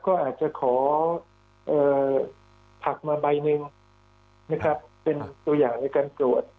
ก็อาจจะขอผักมาใบหนึ่งนะครับเป็นตัวอย่างในการตรวจ